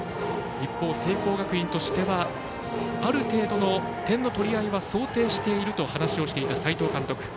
一方、聖光学院としてはある程度の点の取り合いは想定していると話をしていた斎藤監督。